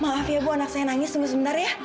maaf ya bu anak saya nangis tunggu sebentar ya